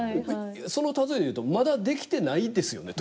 その例えで言うとまだ出来てないですよね？